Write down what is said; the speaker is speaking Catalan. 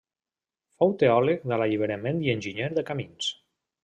Fou teòleg de l'alliberament i enginyer de camins.